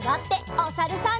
おさるさん。